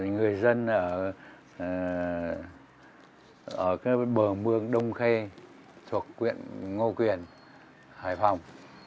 người dân ở bờ mương đông khê thuộc quyện ngô quyền hải phòng